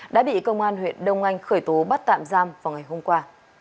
đã bị công an huyện đông anh khởi tố bắt tạm giam vào ngày hôm qua